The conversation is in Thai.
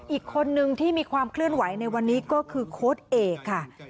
อีกคนนึงที่มีความเคลื่อนไหวในวันนี้ก็คือโค้ดเอกค่ะ